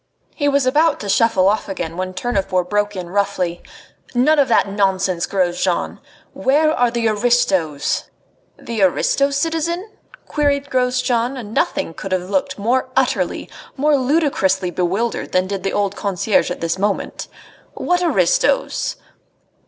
He was about to shuffle off again when Tournefort broke in roughly: "None of that nonsense, Grosjean! Where are the aristos?" "The aristos, citizen?" queried Grosjean, and nothing could have looked more utterly, more ludicrously bewildered than did the old concierge at this moment. "What aristos?"